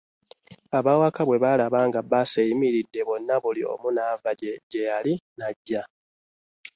Ab'awaka bwe baalaba bbaasi ng'eyimiridde bonna buli omu n'ava gye yali n'ajja